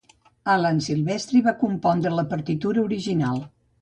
Alan Silvestri va compondre la partitura original.